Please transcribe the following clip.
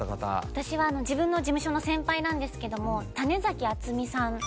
私は自分の事務所の先輩なんですけども種敦美さんが。